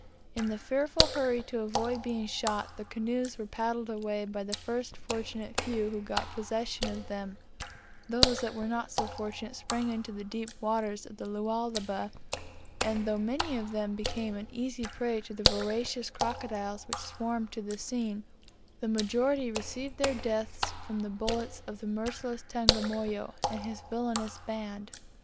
In the fearful hurry to avoid being shot, the canoes were paddled away by the first fortunate few who got possession of them; those that were not so fortunate sprang into the deep waters of the Lualaba, and though many of them became an easy prey to the voracious crocodiles which swarmed to the scene, the majority received their deaths from the bullets of the merciless Tagamoyo and his villanous band.